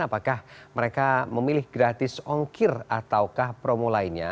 apakah mereka memilih gratis ongkir ataukah promo lainnya